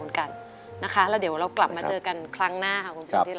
แล้วเดี๋ยวเรากลับมาเจอกันครั้งหน้าค่ะคุณผู้ชมที่รัก